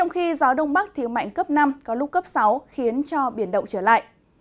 khi gió đông bắc thiếu mạnh cấp năm có lúc cấp sáu khiến cho biển động trở lại